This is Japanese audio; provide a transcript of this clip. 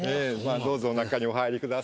どうぞ中にお入りください。